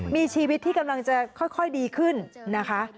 มีชีวิตที่กำลังจะค่อยดีขึ้นนะคะ